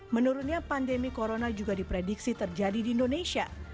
menurutnya pandemi corona juga diprediksi terjadi di indonesia